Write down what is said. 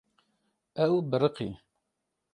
Ew biriqî.